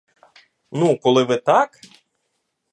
Ну, коли ви так!